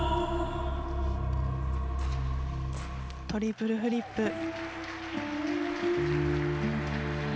トリプルフリップ。